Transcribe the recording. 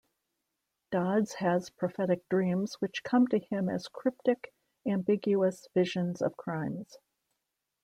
Dodds has prophetic dreams which come to him as cryptic, ambiguous visions of crimes.